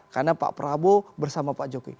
karena pak prabowo bersama pak joko